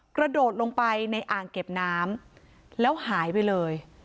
กระโดดลงไปในอ่างเก็บน้ำแล้วหายไปเลย